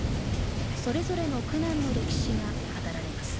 それぞれの苦難の歴史が語られます。